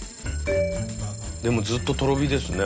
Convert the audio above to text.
でもずっととろ火ですね。